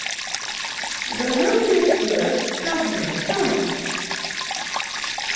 [THE LOVELIEST BIRD HAS NO SONG.